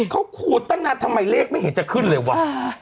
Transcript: เขาขูดตั้งนานทำไมเลขไม่เห็นจะขึ้นเลยวะ